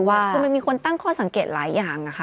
คือมันมีคนตั้งข้อสังเกตหลายอย่างค่ะ